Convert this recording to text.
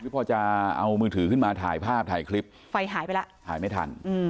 พอจะเอามือถือขึ้นมาถ่ายภาพถ่ายคลิปไฟหายไปแล้วหายไม่ทัน